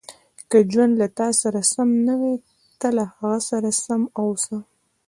• که ژوند له تا سره سم نه وي، ته له هغه سره سم اوسه.